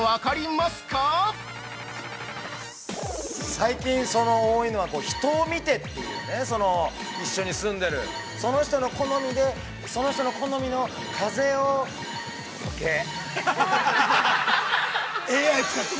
◆最近多いのは、人を見てという、一緒に住んでいる、その人の好みで、その人の好みの風を、オーケー。